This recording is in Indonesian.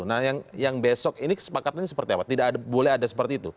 nah yang besok ini kesepakatannya seperti apa tidak boleh ada seperti itu